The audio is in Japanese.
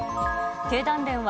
経団連は、